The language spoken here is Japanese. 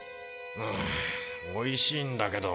うんおいしいんだけど。